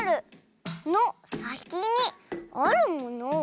「のさきにあるものは？」